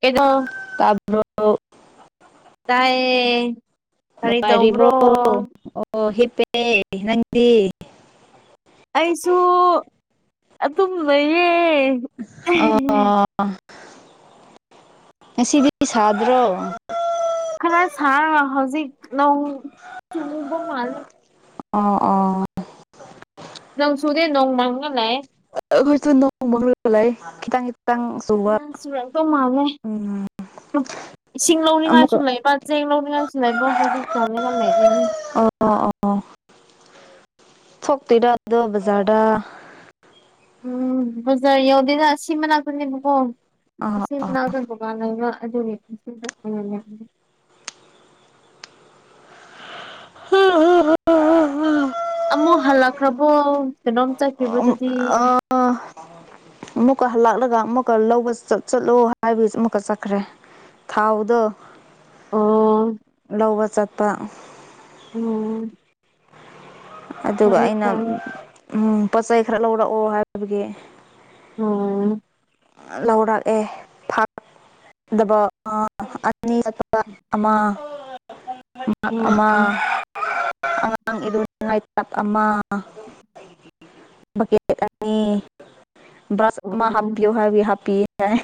ꯀꯗꯣ ꯇꯥꯕ꯭ꯔꯣ ꯇꯥꯏ ꯅꯨꯡꯉꯥꯏꯔꯤꯕꯣ ꯑꯣ ꯍꯤꯄꯦ ꯅꯪꯗꯤ ꯑꯩꯁꯨ ꯑꯗꯨꯝ ꯂꯩꯌꯦ ꯑꯦ ꯉꯁꯤ ꯁꯥꯗ꯭ꯔꯣ ꯈꯔ ꯁꯥ ꯍꯧꯖꯤꯛ ꯅꯣꯡ ꯆꯨꯉꯕ ꯃꯥꯜꯂꯦ ꯑ ꯑꯣ ꯑꯣ ꯅꯪ ꯁꯨꯗꯦ ꯅꯣꯡ ꯃꯥꯡꯅ ꯂꯥꯛꯑꯦ ꯑꯩꯈꯣꯏꯁꯨ ꯅꯣꯡꯃꯒꯕ ꯂꯩ ꯈꯤꯇꯪ ꯈꯤꯇꯪ ꯑ ꯆꯨꯕ ꯁꯨꯔꯦꯟ ꯇꯧ ꯃꯥꯜꯂꯦ ꯎꯝ ꯏꯁꯤꯡ ꯂꯧꯅꯤꯡꯉꯥꯏꯁꯨ ꯑꯃꯨꯛꯀ ꯂꯩꯕ ꯆꯦꯡ ꯂꯧꯅꯤꯡꯉꯥꯏꯁꯨ ꯂꯩꯕ ꯍꯧꯖꯤꯛ ꯆ ꯂꯩꯒ ꯂꯩꯔꯤꯅꯤ ꯑꯣ ꯑꯣ ꯑꯣ ꯊꯣꯛꯇꯣꯏꯔ ꯑꯗꯣ ꯕꯖꯥꯔꯗ ꯎꯝ ꯖꯔ ꯌꯧꯗꯗ ꯁꯤ ꯃꯅꯥꯛꯇꯅꯦꯕꯀꯣ ꯑꯥ ꯑꯥ ꯁꯤꯅꯥ ꯑꯗꯨ ꯀꯥꯟ ꯂꯩꯒ ꯑꯗꯨꯒꯤ ꯁꯤꯗ ꯍ ꯍꯨꯝ ꯍ ꯍ ꯍꯨꯝ ꯑꯃꯨꯛ ꯍꯜꯂꯛꯈ꯭ꯔꯕꯣ ꯀꯩꯅꯣꯝ ꯆꯠꯈꯤꯕꯗꯨꯗꯤ ꯑꯥ ꯑꯃꯨꯛꯀ ꯍꯜꯂꯛꯂꯒ ꯑꯃꯨꯛꯀ ꯂꯧꯕ ꯆꯠꯂꯣ ꯍꯥꯏꯕꯒꯤ ꯑꯃꯨꯛꯀ ꯆꯠꯈ꯭ꯔꯦ ꯊꯥꯎꯗ ꯑꯣ ꯇꯧꯕ ꯆꯠꯄ ꯑꯣꯝ ꯑꯗꯨꯒ ꯑꯩꯅ ꯐꯩ ꯎ ꯄꯣꯠꯆꯩ ꯈꯔ ꯂꯧꯔꯛꯑꯣ ꯍꯥꯏꯕꯒꯤ ꯑꯣ ꯂꯧꯔꯛꯑꯦ ꯗꯕ ꯑꯅꯤ ꯑꯠꯇ ꯑꯃ ꯃꯥꯛ ꯎꯝ ꯑꯃ ꯎꯝ ꯑꯉꯥꯡ ꯏꯗꯨꯜꯅꯥꯇꯥꯥꯛ ꯑꯃ ꯦ ꯍꯥ ꯎꯝ ꯍꯕꯤ ꯍꯞꯄꯤ ꯍꯥꯏ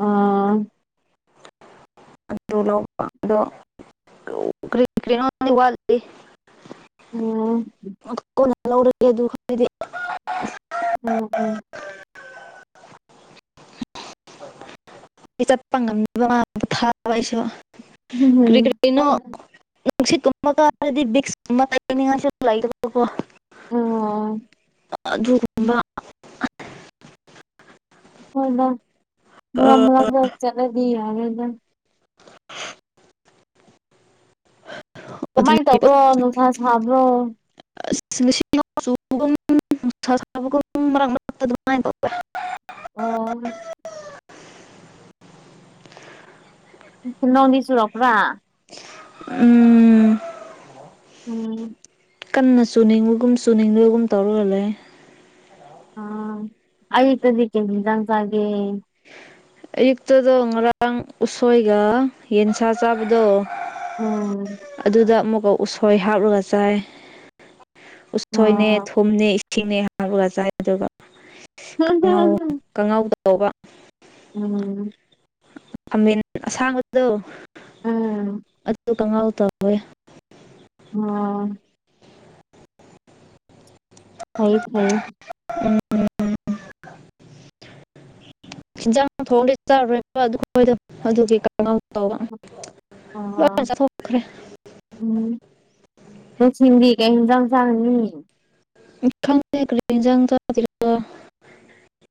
ꯎꯥ ꯑꯗꯨ ꯂꯧꯕ ꯑꯗꯣ ꯀꯩꯅꯣꯗꯤ ꯋꯥꯠꯗꯤ ꯑꯣꯝ ꯂꯧꯔꯒꯦ ꯑꯗꯨ ꯈꯔꯗꯤ ꯎꯝ ꯎꯝ [inaudible] ꯑꯩ ꯆꯠꯄ ꯉꯝꯗꯕ ꯄ ꯊꯥꯕ ꯑꯩꯁꯨ ꯀꯔꯤ ꯎꯝ ꯀꯔꯤꯅꯣ ꯅꯨꯡꯁꯤꯠ ꯇꯨꯝꯕ ꯀꯥꯔꯗꯤ ꯕꯤꯛꯁꯨꯝꯅꯤꯉꯥꯏꯣ ꯎꯝ ꯑꯗꯨꯒꯨꯝꯕ ꯍꯅ ꯉꯃꯂ ꯆꯂꯗꯤ ꯌꯥꯔꯗ ꯑꯗꯨꯒꯤ ꯀꯃꯥꯏꯅ ꯇꯧꯕ꯭ꯔꯣ ꯅꯨꯡꯁꯥ ꯁꯥꯕ꯭ꯔꯣ ꯂꯤꯁꯤꯡ ꯁꯕꯒꯨꯝꯅꯨꯡꯕꯒ ꯃꯔꯛ ꯃꯔꯛꯇ ꯑꯗꯨꯃꯥꯏꯅ ꯇꯧꯋꯦ ꯑꯣ ꯅꯧꯅꯤ ꯆꯔꯈ꯭ꯔꯥ ꯎꯝ ꯎꯝ ꯀꯟꯅ ꯆꯨꯅꯤꯡꯕꯒꯨꯝ ꯆꯨꯅꯤꯡꯕꯒꯨꯝ ꯇꯧꯔꯒ ꯂꯩ ꯑ ꯑꯩ ꯇ ꯑꯗꯨꯀꯦ ꯅꯤꯡꯗꯥꯪꯁꯒꯦ ꯑꯌꯨꯛꯇꯗꯣ ꯉꯔꯥꯡ ꯎꯁꯣꯏꯒ ꯌꯦꯟꯁꯥ ꯆꯥꯕꯗꯣ ꯎꯝ ꯑꯗꯨꯗ ꯑꯃꯨꯛꯀ ꯎꯁꯣꯏ ꯍꯥꯞꯂꯒ ꯆꯥꯏ ꯎꯁꯣꯏꯅꯦ ꯑꯣ ꯀꯨꯝꯅꯦ ꯏꯁꯤꯡꯅꯦ ꯍꯥꯥꯡꯄꯨꯔ ꯆꯥꯏ ꯑꯗꯨꯒꯉꯥꯎ ꯀꯉꯥꯎꯗꯧꯕ ꯎꯝ ꯈꯥꯃꯦꯟ ꯑꯁꯥꯡꯕꯗꯣ ꯎꯝ ꯑꯗꯨ ꯀꯪꯉꯥꯎ ꯇꯧꯋꯦ ꯑꯣ ꯐꯩ ꯐꯌꯦ ꯎꯝ ꯍꯤꯟꯖꯥꯡ ꯐꯣꯡꯗꯤ ꯆꯥꯔꯣꯏꯕ ꯑꯗꯨꯣꯏꯗꯣ [unintelligible] ꯑꯗꯨꯒꯤ ꯀ ꯇꯧꯕ ꯂꯣꯢꯅ ꯑꯣ ꯆꯠꯊꯣꯛꯈ꯭ꯔꯦ ꯎꯝ ꯂꯧꯁꯤꯡꯤꯡꯗꯤ ꯀꯩ ꯌꯦꯡꯖꯥꯡ ꯆꯥꯡꯅꯤ ꯈꯪ ꯈꯔꯤꯖ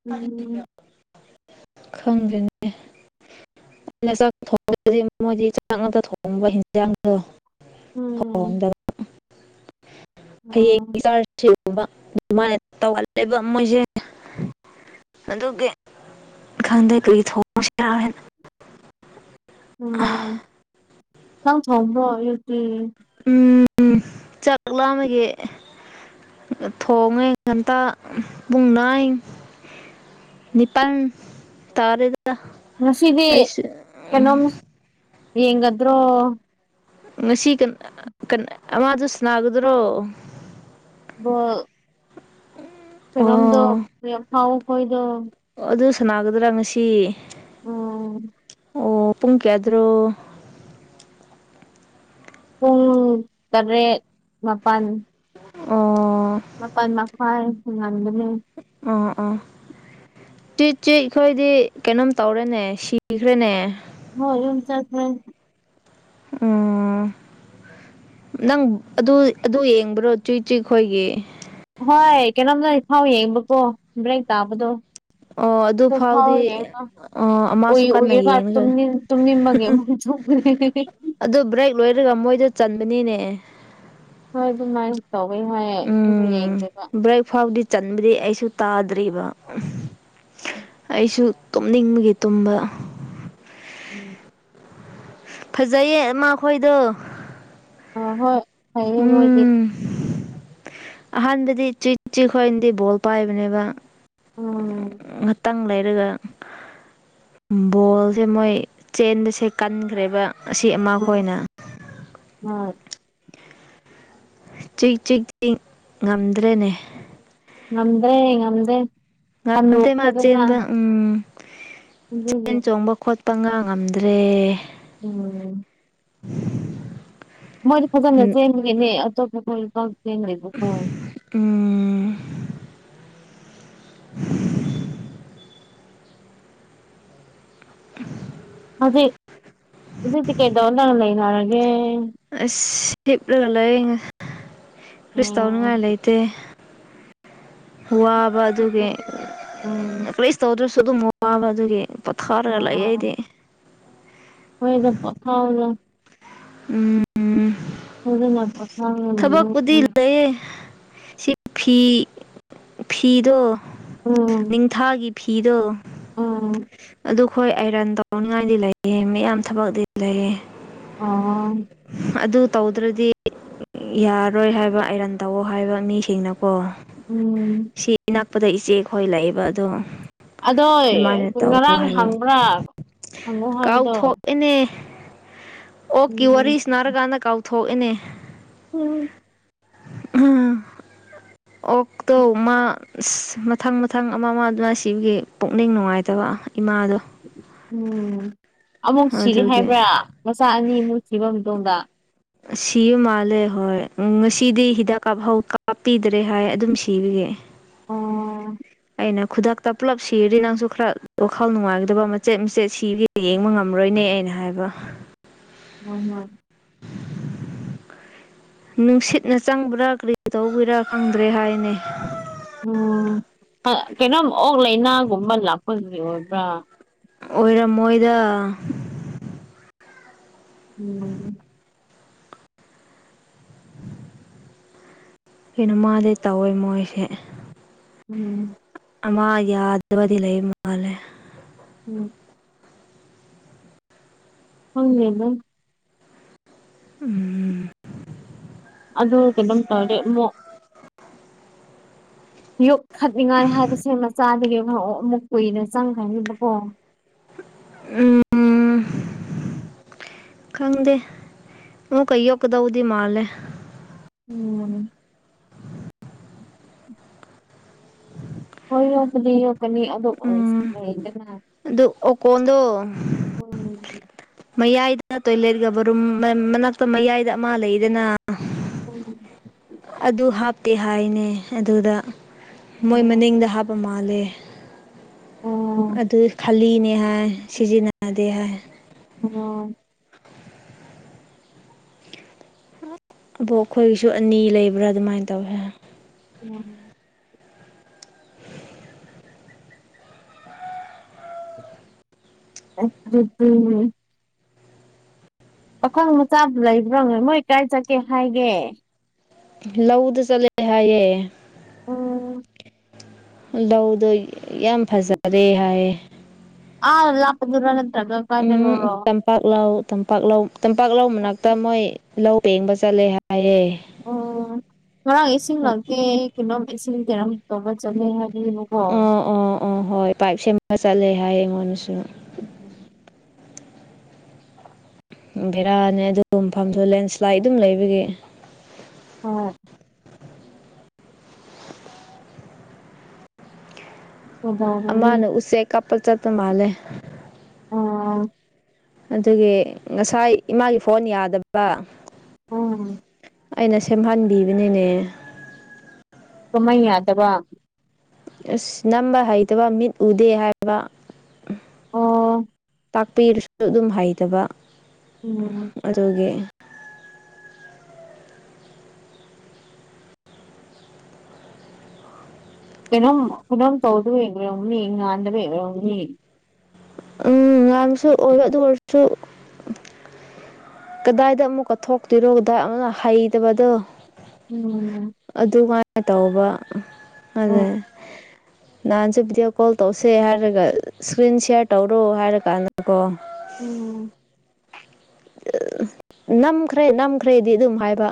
ꯎꯝ [unintelligible] ꯈꯪꯗꯦꯅꯦ ꯑꯩꯅ ꯆꯥꯛ ꯊꯣꯡꯗꯗꯤ ꯃꯣꯏꯗꯤ ꯆꯥꯛ ꯉꯥꯛꯇ ꯊꯣꯡꯕ ꯍꯤꯟꯖꯥꯡꯗꯣ ꯎꯝ ꯍꯣꯡꯣꯗꯕ [unintelligible] ꯎꯝ ꯍꯌꯦꯡꯒꯤ ꯆꯥꯔꯖꯨꯕ ꯑꯗꯨꯃꯥꯏꯅ ꯇꯧꯍꯜꯂꯦꯕ ꯃꯣꯏꯁꯦ ꯑꯗꯨꯒꯤ ꯈꯪꯗ ꯀꯔꯤ ꯊꯣꯡꯁꯤꯔꯦꯅ ꯎꯝ ꯅꯪ ꯊꯣꯡꯕꯣ ꯑꯌꯨꯛꯗꯤ ꯎꯝ ꯆꯥꯛ ꯂꯥꯝꯕꯒꯤ ꯊꯣꯡꯉꯦ ꯉꯟꯇ ꯄꯨꯡ ꯅꯥꯏ ꯅꯤꯄꯥꯟ ꯇꯥꯔꯦꯗ ꯉꯁꯤꯗꯤ ꯑꯩꯁꯨ ꯀꯩꯅꯣꯝ ꯌꯦꯡꯒꯗ꯭ꯔꯣ ꯉꯁꯤ ꯀꯟ ꯀꯟ ꯑꯃꯗ ꯁꯅꯥꯒꯗ꯭ꯔꯣ ꯕꯣꯜ ꯎꯝ ꯄꯔꯝꯗ ꯐꯈꯣꯏꯗꯣ ꯑꯣ ꯑꯗꯨ ꯁꯥꯟꯅꯥꯒꯗ꯭ꯔꯥ ꯉꯁꯤ ꯑꯣ ꯑꯣ ꯄꯨꯡ ꯀꯌꯥꯗ꯭ꯔꯣ ꯄꯨꯡ ꯇꯔꯦꯠ ꯃꯥꯄꯜ ꯑꯣ ꯃꯥꯄꯟ ꯃꯈꯥꯢ ꯅꯪꯒꯅꯤ ꯑꯣ ꯑꯣ ꯇ꯭ꯋꯤꯠꯁꯤ ꯑꯩꯈꯣꯏꯗꯤ ꯀꯩꯅꯣꯝ ꯇꯧꯔꯦꯅꯦ ꯁꯤꯈ꯭ꯔꯦꯅꯦ ꯃꯣꯢ ꯌꯨꯝ ꯆꯠꯄꯩ ꯎꯝ ꯅꯪ ꯑꯗꯨ ꯑꯗꯨ ꯌꯦꯡꯕ꯭ꯔꯣ ꯆꯨꯏ ꯆꯨꯏꯈꯣꯏꯒꯤ ꯍꯣꯏ ꯀꯩꯅꯣꯝꯇ ꯏꯐꯥꯎ ꯌꯦꯡꯕꯀꯣ ꯕ꯭ꯔꯦꯛ ꯇꯥꯕꯗꯣ ꯑꯣ ꯑꯗꯨ ꯆꯐꯥꯎ ꯐꯥꯎꯗꯤ ꯌꯦꯡꯉꯣ ꯑꯣ ꯎꯨꯢ ꯑꯃꯁꯨ ꯀꯟꯅ ꯎꯨꯢꯔ ꯌꯦꯡꯉꯒ ꯈꯨꯝꯅꯤꯡꯕꯒꯤ ꯑꯃ ꯊꯣꯛ ꯑꯗꯨ ꯕ꯭ꯔꯦꯛ ꯂꯣꯏꯔꯒ ꯃꯣꯏꯗ ꯆꯟꯕꯅꯤꯅꯦ ꯍꯣꯏ ꯑꯗꯨꯃꯥꯏꯅ ꯇꯧꯋꯦ ꯍꯥꯏ ꯑꯗꯨ ꯎꯝ ꯌꯦꯡꯔꯒ ꯕ꯭ꯔꯦꯛ ꯐꯥꯎꯕꯗꯤ ꯆꯟꯗ꯭ꯔꯤ ꯑꯩꯁꯨ ꯇꯥꯗ꯭ꯔꯤꯕ ꯑꯩꯁꯨ ꯇꯨꯝꯅꯤꯡꯕꯒꯤ ꯇꯨꯝꯕ ꯎꯝ ꯐꯖꯩꯌꯦ ꯃꯈꯣꯏꯗꯣ ꯑ ꯍꯣꯏ ꯐꯩꯌꯦ ꯃꯣꯏꯗꯤ ꯎꯝ ꯑꯍꯥꯟꯕꯗꯤ ꯆꯤꯆꯤ ꯈꯣꯏꯅꯗꯤ ꯕꯣꯜ ꯄꯥꯏꯕꯅꯦꯕ ꯎꯝ ꯉꯥꯛꯇꯥꯡ ꯂꯩꯔꯒ ꯕꯣꯜꯁꯦ ꯃꯣꯏ ꯆꯦꯟꯕꯁꯦ ꯀꯟꯈ꯭ꯔꯦꯕ ꯑꯁꯤ ꯑꯃ ꯎꯝ ꯈꯣꯏꯅ ꯎꯝ ꯆꯤꯛ ꯆꯤꯛ ꯆꯤꯛ ꯉꯝꯗ꯭ꯔꯦꯅꯦ ꯉꯝꯗ꯭ꯔꯦ ꯉꯝꯗꯦ ꯉꯝꯇꯩ ꯃꯥ ꯆꯦꯟꯕ ꯎꯝ ꯑꯗꯨꯒꯤ ꯆꯦꯟ ꯆꯣꯡꯕ ꯈꯣꯠꯄ ꯄꯉꯥ ꯉꯝꯗ꯭ꯔꯦ ꯎꯝ ꯃꯣꯢꯗꯤ ꯐꯖꯅ ꯆꯦꯟꯕꯒꯤꯅꯦ ꯑꯇꯣꯞꯄ ꯈꯣꯢ ꯄꯥꯎ ꯆꯦ ꯂꯩꯕꯀꯣ ꯎꯝ [unintelligible] ꯍꯧꯖꯤꯛ ꯍꯧꯖꯤꯛꯇꯤ ꯀꯩꯗꯧꯅ ꯂꯩꯅꯔꯒꯦ ꯑꯁ ꯍꯤꯞꯔꯒ ꯂꯩ ꯀ꯭ꯔꯤꯁꯨ ꯇꯧꯅꯤꯡꯉꯥꯏ ꯎꯝ ꯂꯩꯇꯦ ꯋꯥꯕ ꯑꯗꯨꯒꯤ ꯎꯝ ꯀ꯭ꯔꯤꯁ ꯇꯧꯗ꯭ꯔꯁꯨ ꯑꯗꯨꯝ ꯋꯥꯕ ꯑꯗꯨꯒꯤ ꯄꯠꯊꯔꯒ ꯂꯩ ꯑꯣ ꯑꯗꯤ ꯍꯣꯏꯗ [unintelligible] [unintelligible] ꯊꯕꯛꯄꯨꯗꯤ [inaudible] [unintelligible] ꯁꯤ ꯐꯤ ꯐꯤꯗꯣ ꯎꯝ ꯅꯤꯡꯊꯥꯒꯤ ꯐꯤꯗꯣ ꯎꯝ ꯑꯗꯨꯈꯣꯏ ꯑꯥꯏꯔꯟ ꯇꯧꯅꯤꯡꯉꯥꯏꯗꯤ ꯂꯩꯌꯦ ꯃꯌꯥꯝ ꯊꯕꯛꯇꯤ ꯂꯩꯌꯦ ꯑꯣ ꯑꯗꯨ ꯇꯧꯗ꯭ꯔꯗꯤ ꯌꯥꯔꯣꯏ ꯍꯥꯏꯕ ꯑꯥꯏꯔꯟ ꯇꯧꯑꯣ ꯍꯥꯏꯕ ꯃꯤꯁꯤꯡꯅꯀꯣ ꯎꯝ ꯁꯤ ꯅꯛꯄꯗ ꯏꯆꯦꯈꯣꯏ ꯂꯩꯑꯦꯕ ꯑꯗꯣ ꯑꯗꯣ ꯑꯗꯨꯃꯥꯏꯅ ꯇꯧꯋꯣ ꯉꯔꯥꯡ ꯍꯥꯏꯕ ꯍꯪꯕ꯭ꯔꯥ ꯍꯪꯉꯣ ꯍꯥꯏꯕꯗꯣ ꯏꯅꯦ ꯑꯣꯛꯀꯤ ꯋꯥꯔꯤ ꯎꯝ ꯁꯅꯥꯔꯀꯥꯟꯗ ꯀꯥꯎꯊꯣꯛ ꯏꯅꯦ [inaudible] ꯑꯣꯛꯇꯣ ꯃꯥ ꯑꯁ ꯃꯊꯪ ꯃꯊꯪ ꯑꯃ [unintelligible] ꯁꯤꯒꯤ ꯄꯨꯛꯅꯤꯡ ꯅꯨꯡꯉꯥꯏꯇꯕ ꯏꯃꯥꯗꯣ ꯎꯝ ꯑꯃꯨꯛ ꯁꯤꯔꯦ ꯑꯗꯨꯒꯤ ꯍꯥꯏꯕ꯭ꯔꯥ ꯃꯆꯥ ꯑꯅꯤꯃꯨꯛ ꯁꯤꯕ ꯃꯇꯨꯡꯗ ꯁꯤꯕ ꯃꯥꯜꯂꯦ ꯍꯣꯏ ꯉꯁꯤꯗꯤ ꯍꯤꯗꯥꯛ ꯀꯥꯞꯐꯧ ꯀꯥꯞꯄꯤꯗ꯭ꯔꯦ ꯍꯥꯏ ꯑꯗꯨꯝ ꯁꯤꯕꯒꯤ ꯑꯣ ꯑꯩꯅ ꯈꯨꯗꯛꯇ ꯄꯨꯜꯂꯞ ꯁꯤꯔꯗꯤ ꯅꯪꯁꯨ ꯈꯔ ꯋꯥꯈꯜ ꯅꯨꯡꯉꯥꯏꯒꯗꯕ ꯃꯆꯦꯠ ꯃꯆꯦꯠ ꯁꯤꯔꯤ ꯌꯦꯡꯕ ꯉꯝꯔꯣꯏꯅꯦ ꯑꯩꯅ ꯍꯥꯏꯕ [unintelligible] [unintelligible] ꯅꯨꯡꯁꯤꯠꯅ ꯆꯪꯕ꯭ꯔꯥ ꯀꯔꯤ ꯇꯧꯕꯩꯔꯥ ꯈꯪꯗ꯭ꯔꯦ ꯍꯥꯏꯅꯦ ꯑꯣ ꯑ ꯀꯩꯅꯣꯝ ꯑꯣꯛ ꯂꯥꯏꯅꯥꯒꯨꯝꯕ ꯂꯥꯛꯄꯒꯤ ꯑꯣꯏꯕ꯭ꯔꯥ ꯑꯣꯏꯔꯝꯃꯣꯏꯗ [inaudible] ꯀꯩꯅꯣꯃꯥꯗꯤ ꯇꯧꯋꯦ ꯃꯣꯏꯁꯦ [unintelligible] ꯑꯃꯥ ꯌꯥꯗꯕꯗꯤ ꯂꯩ ꯃꯥꯜꯂꯦ ꯎꯝ ꯈꯪꯗꯦ ꯑꯗꯨꯝ ꯍꯨꯝ ꯑꯗꯨ ꯀꯩꯅꯣꯝ ꯇꯧꯔꯗꯤ ꯃꯣꯛ [inaudible] ꯌꯣꯛꯈꯠꯅꯤꯡꯉꯥꯏ ꯍꯥꯏꯕꯁꯦ ꯃꯆꯥꯗꯒꯤ ꯑꯃꯨꯛ ꯀꯨꯏꯅ ꯆꯪꯈ꯭ꯔꯅꯤꯗꯀꯣ ꯎꯝ ꯈꯪꯗꯦ ꯑꯃꯨꯛꯀ ꯌꯣꯛꯀꯗꯧꯕꯗꯤ ꯃꯥꯜꯂꯦ ꯎꯝ ꯍꯣꯏ ꯌꯣꯛꯄꯗꯤ ꯌꯣꯛꯀꯅꯤ ꯑꯗꯣ ꯎꯝ ꯑꯁ ꯑꯗꯨ ꯑꯣꯀꯣꯟꯗꯣ [unintelligible] ꯃꯌꯥꯏꯗꯅ ꯇꯣꯏꯂꯦꯠꯒꯕꯔꯨꯝ ꯃ ꯃꯅꯥꯛꯇ ꯃꯌꯥꯏꯗ ꯑꯃ ꯂꯩꯗꯅ [inaudible] ꯑꯗꯨ ꯍꯥꯞꯇꯦ ꯍꯥꯏꯅꯦ ꯑꯗꯨꯗ ꯃꯣꯏ ꯎꯝ ꯃꯅꯤꯡꯗ ꯍꯥꯞ ꯑꯣ ꯃꯥꯂꯦ ꯎꯝ ꯑꯗꯨ ꯈꯜꯂꯤꯅꯦ ꯍꯥꯏ ꯁꯤꯖꯤꯟꯅꯗꯦ ꯍꯥꯏ ꯃꯉꯥꯜ ꯑꯣ ꯑꯕꯣꯛ ꯈꯣꯏꯒꯤꯁꯨ ꯑꯅꯤ ꯂꯩꯕ꯭ꯔꯥ ꯑꯗꯨꯃꯥꯏꯅ ꯇꯧꯌꯦ ꯍꯥꯏ ꯎꯝ [inaudible] ꯄꯥꯈꯪ ꯃꯆꯥꯗꯨ ꯂꯩꯕ꯭ꯔꯣ ꯃꯣꯏ ꯀꯥꯏ ꯆꯠꯀꯦ ꯍꯥꯏꯒꯦ ꯂꯧꯗ ꯆꯠꯂꯦ ꯍꯥꯏꯌꯦ ꯎꯝ ꯂꯧꯗꯣ ꯌꯥꯝ ꯐꯖꯔꯦ ꯍꯥꯏꯌꯦ ꯑ ꯂꯥꯄꯗꯨꯔ ꯅꯠꯇꯔꯒ ꯎꯝ ꯇꯝꯄꯥꯛ ꯂꯧ ꯇꯝꯄꯥꯛ ꯂꯧ ꯇꯝꯄꯥꯛꯂ ꯃꯅꯥꯛꯇ ꯃꯣꯏ ꯂꯧ ꯄꯦꯡꯕ ꯆꯠꯂꯦ ꯍꯥꯏꯌꯦ ꯑꯣ ꯉꯥꯔꯡ ꯏꯁꯤꯡ ꯂꯥꯛꯇ ꯑꯩ ꯀꯩꯅꯣꯝ ꯑꯦꯁꯤ ꯊꯣꯝꯕ ꯆꯠꯅꯤ ꯍꯥꯏꯕꯅꯤꯕꯀꯣ ꯑ ꯍꯣꯏ ꯄꯥꯏꯞ ꯁꯦꯝꯃꯒ ꯆꯠꯂꯦ ꯍꯥꯏꯌꯦ ꯑꯩꯉꯣꯟꯗꯁꯨ ꯎꯝ ꯕꯦꯔꯥꯅꯦ ꯑꯗꯨꯒ ꯃꯐꯝꯁꯨ ꯂꯦꯟꯁ꯭ꯂꯥꯏꯠ ꯑꯗꯨꯝ ꯂꯩꯕꯒꯤ ꯑꯣꯢ ꯀꯩꯗꯧꯔꯨꯅꯤ ꯑꯃꯥꯅ ꯎꯆꯦꯛ ꯀꯥꯞꯄ ꯆꯠꯇꯄ ꯃꯥꯜꯂꯦ ꯑꯣ ꯑꯗꯨꯒꯤ ꯉꯁꯥꯏ ꯏꯃꯥꯒꯤ ꯐꯣꯟ ꯌꯥꯗꯕ ꯑꯣꯝ ꯑꯩꯅ ꯁꯦꯝꯍꯟꯕꯤꯕꯅꯤꯅꯦ ꯀꯃꯩ ꯌꯥꯗꯕ ꯑꯁ ꯅꯝꯕ ꯍꯩꯇꯕ ꯃꯤꯠ ꯎꯗꯦ ꯍꯥꯏꯕ ꯑꯣ ꯇꯥꯛꯄꯤꯔꯁꯨ ꯑꯗꯨꯝ ꯍꯩꯇꯕ ꯎꯝ ꯑꯗꯨꯒꯤ ꯀꯩꯅꯣꯝ ꯀꯩꯅꯣꯝ ꯇꯧꯗꯕ ꯌꯦꯡ ꯑꯣꯏꯔꯝꯅꯤ ꯌꯦ ꯉꯥꯟꯗꯕ ꯌꯦꯡ ꯑꯣꯏꯔꯝꯅꯤ ꯎꯝ ꯉꯥꯟꯕꯁꯨ ꯑꯣꯏꯕ ꯑꯗꯨ ꯑꯣꯏꯔꯁꯨ ꯀꯗꯥꯏꯗ ꯑꯃꯨꯛꯀ ꯊꯣꯛꯣꯛꯇꯣꯏꯔꯣ ꯀꯗꯥꯏ ꯑꯃꯛꯅ ꯍꯩꯇꯕꯗꯣ ꯎꯝ ꯑꯗꯨꯃꯥꯏꯅ ꯇꯧꯕ ꯑ ꯑꯣ ꯅꯍꯥꯟꯁꯨ ꯚꯤꯗꯤꯑꯣ ꯀꯣꯜ ꯇꯧꯁꯦ ꯍꯥꯏꯔꯒ ꯏꯁꯀ꯭ꯔꯤꯟ ꯁꯤꯌꯥꯔ ꯇꯧꯔꯣ ꯍꯥꯏꯔ ꯀꯥꯟꯗ ꯀꯣ ꯎꯝ ꯅꯝꯈ꯭ꯔꯦ ꯅꯝ ꯈꯔꯩꯗꯤ ꯑꯗꯨꯝ ꯍꯥꯏꯕ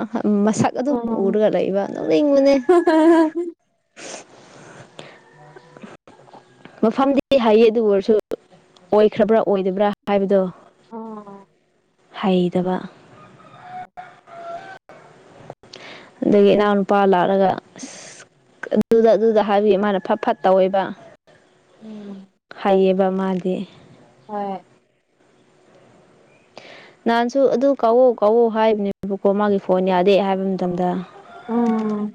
ꯃꯁꯛ ꯑꯗꯨꯝ ꯎꯝ ꯎꯔꯒ ꯂꯩꯕ ꯅꯣꯛꯅꯤꯡꯕꯅꯦ ꯑ ꯃꯐꯝꯗꯤ ꯍꯥꯏꯌꯦ ꯑꯗꯨ ꯑꯣꯏꯔꯁꯨ ꯑꯣꯏꯈ꯭ꯔꯕ꯭ꯔꯥ ꯑꯣꯏꯗꯕ꯭ꯔꯥ ꯍꯥꯏꯕꯗꯣ ꯑꯣ ꯍꯩꯇꯕ ꯎ ꯑꯗꯒꯤ ꯏꯅꯥꯎꯅꯨꯄꯥ ꯂꯥꯛꯂꯒ ꯑꯁ ꯑꯗꯨꯗ ꯑꯗꯨꯗ ꯍꯥꯏꯕꯤ ꯃꯥꯅ ꯐꯠ ꯐꯠ ꯇꯧꯋꯦꯕ ꯎꯝ ꯂꯩꯑꯕ ꯃꯥꯗꯤ ꯍꯣꯏ ꯅꯍꯥꯟꯁꯨ ꯑꯗꯨ ꯀꯥꯎꯑꯣ ꯀꯥꯛꯎ ꯍꯥꯏꯕꯅꯦꯕꯀꯣ ꯃꯥꯒꯤ ꯐꯣꯟ ꯌꯥꯗꯦ ꯍꯥꯏꯕ ꯃꯇꯝꯗ ꯎꯝ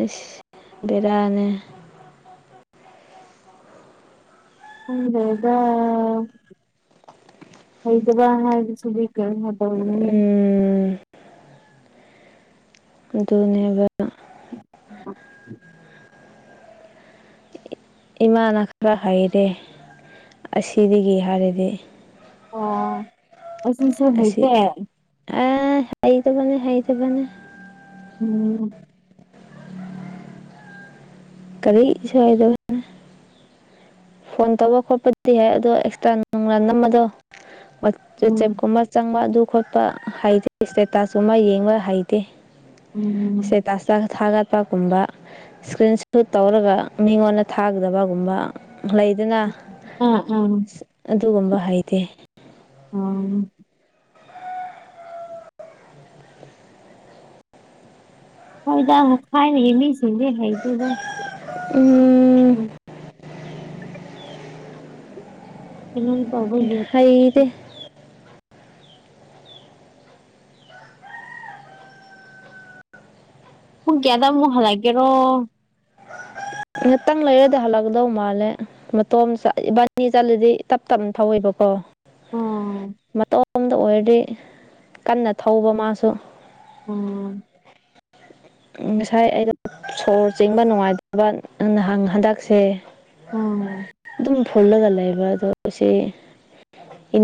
ꯑꯁ ꯕꯦꯔꯅꯦ ꯈꯥꯪꯗꯦꯗꯥ ꯍꯩꯇꯥꯕ ꯍꯥꯏ [unintelligible] ꯎꯝ ꯑꯗꯨꯅꯦꯕ [unintelligible] ꯏꯃꯥꯅ ꯈꯔ ꯍꯩꯔꯦ ꯑꯁꯤꯗꯒꯤ ꯍꯥꯏꯔꯗꯤ ꯑꯣ ꯑꯁꯤꯁꯨ ꯍꯩꯇꯦ ꯑ ꯍꯩꯇꯕꯅꯦ ꯍꯩꯇꯕꯅꯦ ꯎꯝ ꯀꯔꯤ ꯏꯁꯩꯗꯣ ꯐꯣꯟ ꯇꯧꯕ ꯈꯣꯠꯄꯗꯤ ꯌꯥꯏ ꯑꯗꯣ ꯀꯦꯃꯦꯔꯥ ꯅꯨꯡ ꯅꯝꯕꯗꯣ ꯎꯝ ꯋꯥꯆꯦꯞꯀꯨꯝꯕ ꯆꯪꯕ ꯑꯗꯨ ꯈꯣꯠꯄ ꯍꯩꯇꯦ ꯏꯁꯇꯦꯇꯥꯁ ꯇꯨꯃꯥ ꯌꯦꯡꯕ ꯍꯩꯇꯦ ꯎꯝ ꯇꯁ ꯇ ꯊꯥꯒꯠꯄꯒꯨꯝꯕ ꯏꯁꯀ꯭ꯔꯤꯟ ꯁꯣꯠ ꯇꯧꯔꯒ ꯃꯤꯉꯣꯟꯗ ꯊꯥꯒꯗꯕꯒꯨꯝꯕ ꯂꯩꯗꯨꯅ ꯑ ꯑꯥ ꯎꯝ ꯑꯗꯨꯒꯨꯝꯕ ꯍꯩꯇꯦ ꯑꯣ ꯍꯣꯏꯗ ꯊꯥꯏꯅꯥꯒꯤ ꯃꯤꯁꯤꯡꯗꯤ ꯍꯩꯇꯦꯗ ꯎꯝ [unintelligible] ꯍꯩꯇꯦ ꯍꯨꯡ ꯀꯌꯥꯗ ꯑꯃꯨꯛ ꯍꯜꯂꯛꯀꯦꯔꯣ ꯉꯍꯥꯛꯇꯪ ꯂꯩꯔꯗꯤ ꯍꯜꯂꯛꯀꯗꯧ ꯃꯥꯜꯂꯦ ꯃꯇꯣꯝ ꯏꯕꯥꯅꯤ ꯆꯠꯂꯗꯤ ꯇꯞ ꯇꯞꯅ ꯊꯧꯋꯦꯕꯀꯣ ꯎꯝ ꯃꯇꯣꯝꯇꯥ ꯑꯣꯏꯔꯗꯤ ꯀꯟꯅ ꯊꯧꯕ ꯃꯥꯁꯨ ꯎꯝ ꯉꯁꯥꯏ ꯑꯩꯒꯥ ꯁꯣꯔ ꯆꯤꯡꯕ ꯅꯨꯡꯉꯥꯏꯇꯕ [unintelligible] ꯍꯟꯗꯛꯁꯦ ꯑꯣ ꯑꯗꯨꯝ ꯐꯨꯜꯂꯒ ꯂꯩꯕ ꯑꯗꯣ ꯁꯤ